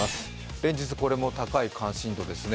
連日、これも高い関心度ですね。